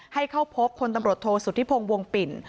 ให้เข้าพบคนตำรวจโทษสุธิพงศ์วงปิ่น